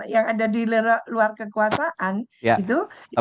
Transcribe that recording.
yang ada di luar kekuasaan gitu